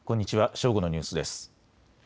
正午のニュースです。